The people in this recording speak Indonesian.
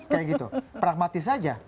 kayak gitu pragmatis saja